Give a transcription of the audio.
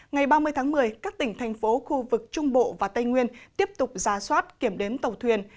ngày ba mươi tháng một mươi các tỉnh thành phố khu vực trung bộ và tây nguyên tiếp tục ra soát kiểm đếm tàu thuyền